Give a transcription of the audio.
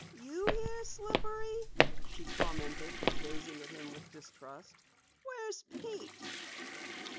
"You here, Slippery?" she commented, gazing at him with distrust. "Where's Pete?"